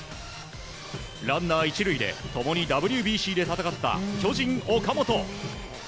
ランナー１塁で共にＷＢＣで戦った巨人、岡本。